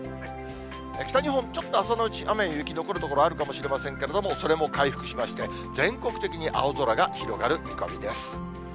北日本、ちょっと朝のうち、雨や雪、残る所もあるかもしれませんけれども、それも回復しまして、全国的に青空が広がる見込みです。